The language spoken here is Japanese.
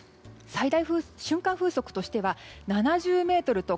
最大瞬間風速としては７０メートルと